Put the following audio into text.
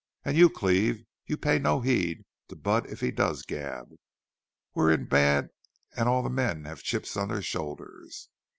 And you, Cleve, you pay no heed to Budd if he does gab.... We're in bad and all the men have chips on their shoulders.